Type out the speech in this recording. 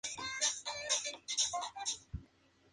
El octágono tiene un elevado “valor simbólico“.